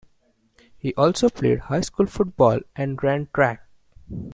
He also played high school football and ran track.